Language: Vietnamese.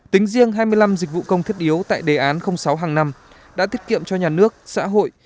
tính riêng hai mươi năm dịch vụ công thiết yếu tại đề án sáu hàng năm đã thiết kiệm cho nhà nước xã hội